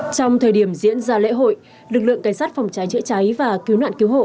trong thời điểm diễn ra lễ hội lực lượng cảnh sát phòng cháy chữa cháy và cứu nạn cứu hộ